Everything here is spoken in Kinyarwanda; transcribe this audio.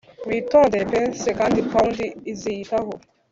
witondere pence kandi pound iziyitaho.